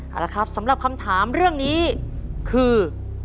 เอาละครับสำหรับคำถามเรื่องนี้คือ